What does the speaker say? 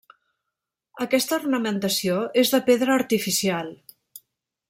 Aquesta ornamentació és de pedra artificial.